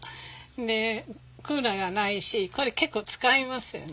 でクーラーがないしこれ結構使いますよね。